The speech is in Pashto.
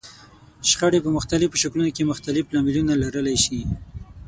شخړې په مختلفو شکلونو کې مختلف لاملونه لرلای شي.